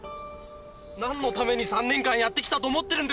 何のために３年間やってきたと思ってるんですか？